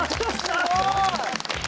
すごい！